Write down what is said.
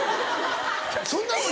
そんなん